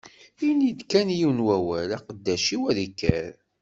Ini-d kan yiwen n wawal, aqeddac-iw ad ikker.